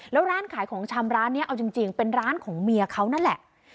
แล้วร้านขายของชำร้านนี้เอาจริงเป็นร้านของเมียเขานั่นแหละ